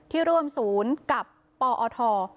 ที่ร่วมศูนย์กับปอท